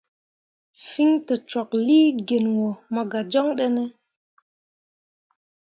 Fîi tokcwaklii gin wo mo gah joŋ ɗene ?